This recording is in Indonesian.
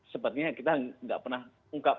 sepertinya kita tidak pernah ungkap